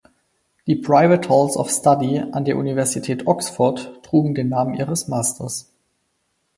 Die "Private Halls of Study" an der Universität Oxford trugen den Namen ihres Masters.